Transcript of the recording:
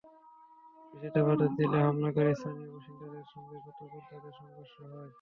Police এতে বাধা দিলে হামলাকারী স্থানীয় বাসিন্দাদের সঙ্গে গতকাল তাদের সংঘর্ষ হয়।